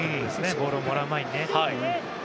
ボールをもらう前にね。